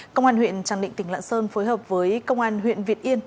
công an huyện trang định tỉnh lạ sơn phối hợp với công an huyện việt yên